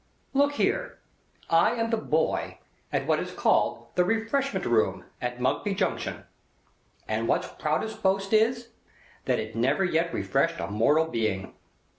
Look here. I am the Boy at what is called The Refreshment Room at Mugby Junction, and what's proudest boast is, that it never yet refreshed a mortal being.